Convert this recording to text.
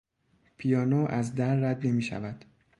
پیانو از در رد نمیشود.